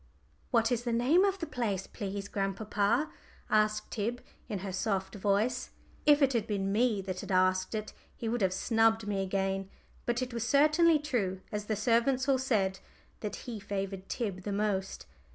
"What is the name of the place, please, grandpapa?" asked Tib in her soft voice. If it had been me that had asked it, he would have snubbed me again. But it was certainly true, as the servants all said, that he favoured Tib the most.